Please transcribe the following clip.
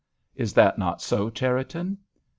Is that not so, Cherriton?"